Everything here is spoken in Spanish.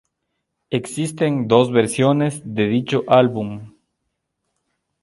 Existen dos versiones de dicho álbum.